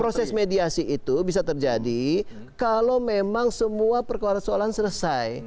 proses mediasi itu bisa terjadi kalau memang semua perkara soalan selesai